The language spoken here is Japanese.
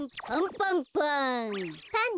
パンパンパン。